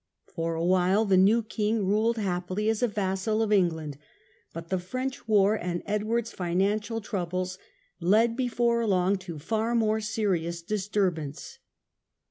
For a while the new king ruled happily as a vassal of England. But the French war and Edward's financial troubles led before long to far more serious dis turbance.